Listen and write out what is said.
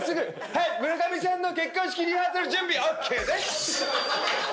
はい村上さんの結婚式リハーサル準備ＯＫです！